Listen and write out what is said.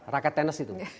rakyat tenis itu